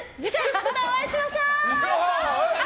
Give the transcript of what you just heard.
またお会いしましょう！